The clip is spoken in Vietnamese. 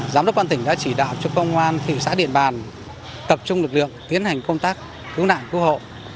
giám đốc quan tỉnh đã chỉ đạo cho công an thị xã điện bàn tập trung lực lượng tiến hành công tác cứu nạn cứu hộ